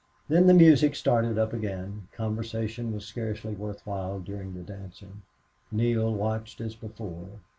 Then the music started up again. Conversation was scarcely worth while during the dancing. Neale watched as before.